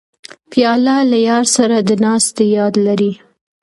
پیاله له یار سره د ناستې یاد لري.